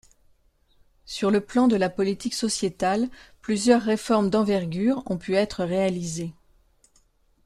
Sur le plan de la politique sociétale, plusieurs réformes d’envergure ont pu être réalisées.